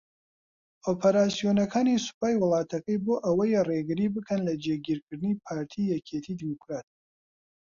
ئۆپەراسیۆنەکانی سوپای وڵاتەکەی بۆ ئەوەیە رێگری بکەن لە جێگیرکردنی پارتی یەکێتی دیموکرات